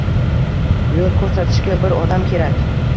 Yo‘l ko‘rsatishga bir odam kerak.